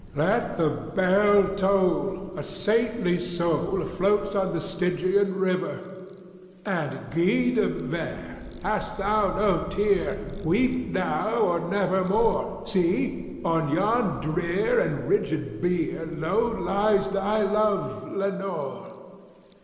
Let the bell toll!—a saintly soul floats on the Stygian river; And, Guy de Vere, hast thou no tear?—weep now or never more! See! on yon drear and rigid bier low lies thy love, Lenore!